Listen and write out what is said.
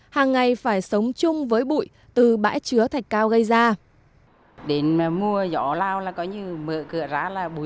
hàng ngày phải sống chung với bụi từ bãi chứa thạch cao gây ra